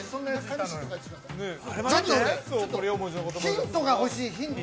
◆ヒントが欲しい、ヒント。